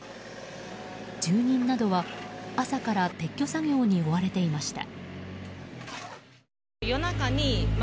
住人などは朝から撤去作業に追われていました。